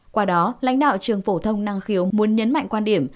qua đó lãnh đạo trường phổ thông năng khiếu muốn nhấn mạnh quan điểm